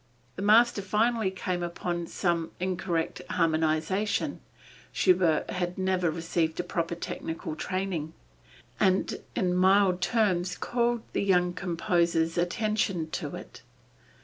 The master finally came upon some incorrect harmonization (Schubert had never received a proper technical training) and in mild terms called the young composer's attention to it.